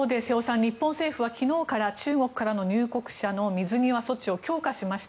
日本政府は昨日から中国からの入国者の水際措置を強化しました。